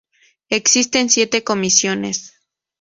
Existen siete comisiones.